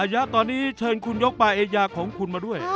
ยะตอนนี้เชิญคุณยกปลาเอยาของคุณมาด้วย